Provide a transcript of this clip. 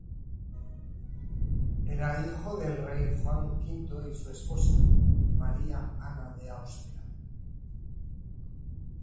Era hijo del rey Juan V y su esposa, María Ana de Austria.